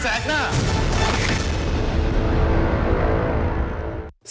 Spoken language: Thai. ชูเวทกระมวลวิสิต